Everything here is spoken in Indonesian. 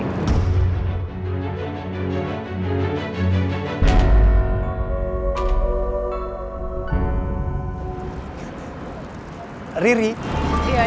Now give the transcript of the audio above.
tapi haris malah pacaran sama riri